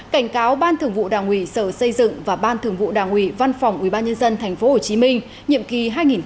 cảnh cáo ban thường vụ đảng ủy sở xây dựng và ban thường vụ đảng ủy văn phòng ubnd tp hcm nhiệm kỳ hai nghìn một mươi sáu hai nghìn hai mươi sáu